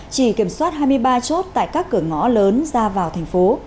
chỉ kiểm soát hai mươi ba chốt tại các cửa ngõ lớn ra vào thành phố